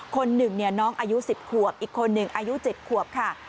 คนหนึ่งน้องอายุ๑๐ขวบอีกคนหนึ่งอายุ๗ขวบค่ะ